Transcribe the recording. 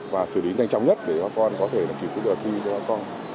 và xử lý nhanh chóng nhất để cho con có thể kịp được thi cho con